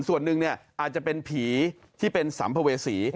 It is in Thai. ส่วนหนึ่งอาจจะเป็นผีที่เป็นสัมภเวษี